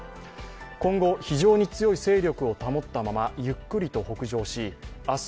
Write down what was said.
今後、非常に強い勢力を保ったままゆっくりと北上し明日